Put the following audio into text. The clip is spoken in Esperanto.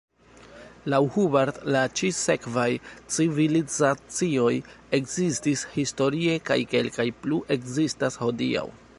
Laŭ Hubbard, la ĉi sekvaj civilizacioj ekzistis historie kaj kelkaj plu ekzistas hodiaŭ.